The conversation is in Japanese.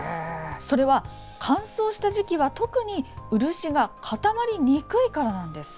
それは乾燥した時期は特に漆が固まりにくいからなんです。